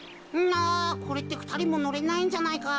なあこれってふたりものれないんじゃないか？